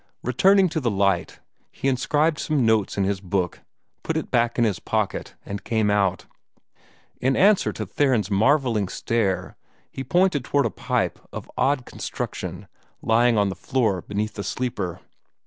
Returning to the light, he inscribed some notes in his book, put it back in his pocket, and came out. In answer to Theron's marvelling stare, he pointed toward a pipe of odd construction lying on the floor beneath the sleeper.